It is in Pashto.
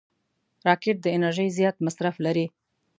راکټ د انرژۍ زیات مصرف لري